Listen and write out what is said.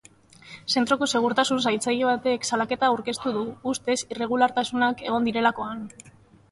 Zentroko segurtasun zaintzaile batek salaketa aurkeztu du ustez irregulartasunak egon direlakoan.